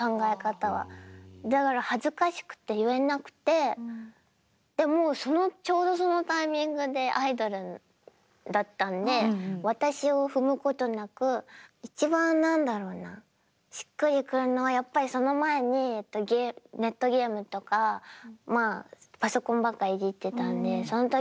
だから恥ずかしくて言えなくてでもうちょうどそのタイミングでアイドルだったんで「私」を踏むことなく一番何だろうなしっくりくるのはやっぱりその前にネットゲームとかパソコンばっかいじってたんでまあ「僕」がそうなんだ。